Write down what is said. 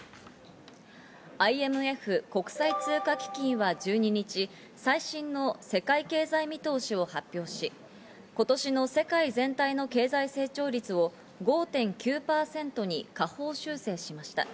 ＩＭＦ＝国際通貨基金は１２日、最新の世界経済見通しを発表し、今年の世界全体の経済成長率を５．９％に下方修正しました。